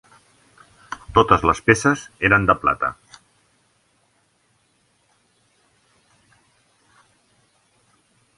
Totes les peces eren de plata.